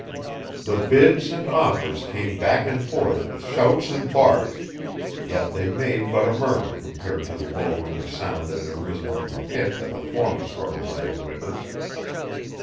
The bids and offers came back and forth with shouts and barks, yet they made but a murmur compared to the whirlwind of sound that had arisen from the pit at the former struggles I had witnessed.